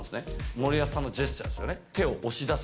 森保さんのジェスチャーですよね、手を押し出す。